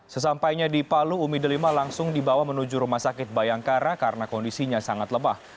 sesampainya di palu umi delima langsung dibawa menuju rumah sakit bayangkara karena kondisinya sangat lemah